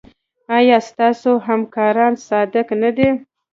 ایا ستاسو همکاران صادق نه دي؟